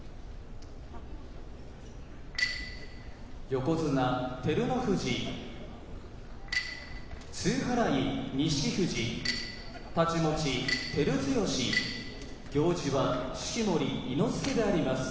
横綱照ノ富士露払い錦富士太刀持ち照強行司は式守伊之助であります。